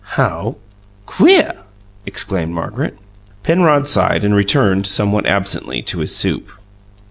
"How queer!" exclaimed Margaret. Penrod sighed, and returned somewhat absently to his soup.